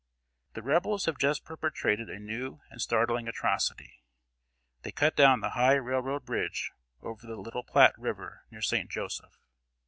] The Rebels have just perpetrated a new and startling atrocity. They cut down the high railroad bridge over the Little Platte River near St. Joseph.